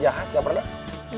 kayaknya fatin alangan